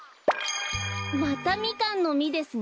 またミカンのミですね。